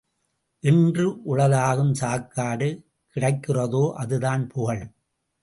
என்று உளதாகும் சாக்காடு கிடைக்கிறதோ அதுதான் புகழ்.